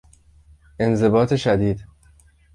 انضباط شدید